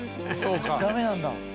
ダメなんだ。